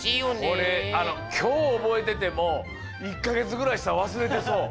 これきょう覚えてても１かげつぐらいしたらわすれてそう。